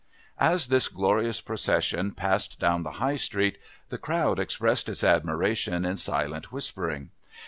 As this glorious procession passed down the High Street the crowd expressed its admiration in silent whispering.